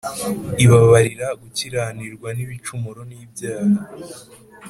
ibabarira gukiranirwa n’ibicumuro n’ibyaha